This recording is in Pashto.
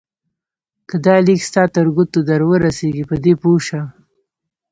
که دا لیک ستا تر ګوتو درورسېږي په دې پوه شه.